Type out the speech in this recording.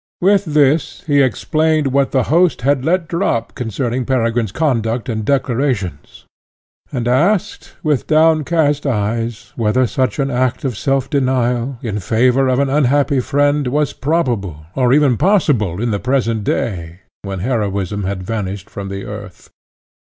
With this he explained what the host had let drop concerning Peregrine's conduct and declarations, and asked, with downcast eyes, whether such an act of self denial, in favour of an unhappy friend, was probable, or even possible, in the present day, when heroism had vanished from the earth.